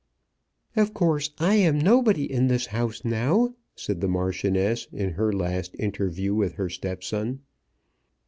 "Of course I am nobody in this house now," said the Marchioness in her last interview with her stepson.